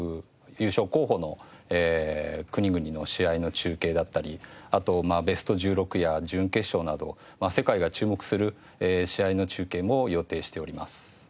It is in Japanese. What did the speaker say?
優勝候補の国々の試合の中継だったりあとベスト１６や準決勝など世界が注目する試合の中継も予定しております。